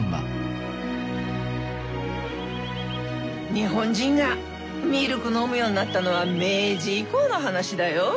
日本人がミルク飲むようになったのは明治以降の話だよ。